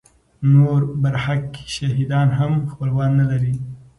نور برحق شهیدان هم خپلوان نه لري.